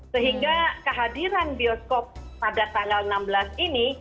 sehingga kehadiran bioskop pada tanggal enam belas ini